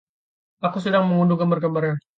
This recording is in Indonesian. Aku sedang mengunduh gambar-gambarnya.